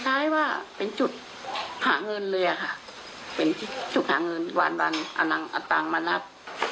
คล้ายว่าเป็นจุดหาเงินเลยอะค่ะเป็นจุดหาเงินวันเอาตังค์มารับ